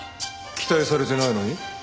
期待されてないのに？